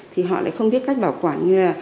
thì họ lại không biết cách bảo quản